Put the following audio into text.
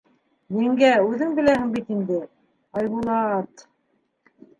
Еңгә, үҙең беләһең бит инде, Айбулат...